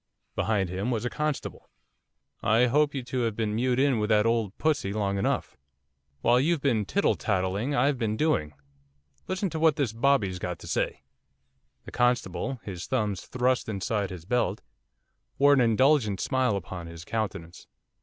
Behind him was a constable. 'I hope you two have been mewed in with that old pussy long enough. While you've been tittle tattling I've been doing, listen to what this bobby's got to say.' The constable, his thumbs thrust inside his belt, wore an indulgent smile upon his countenance.